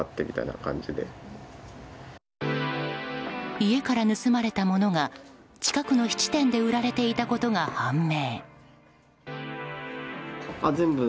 家から盗まれたものが近くの質店で売られていたことが判明。